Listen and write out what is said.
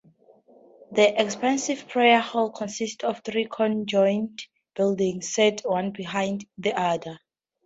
The expansive prayer hall consists of three conjoined buildings, set one behind the other.